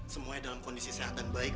semuanya dalam kondisi sehat dan baik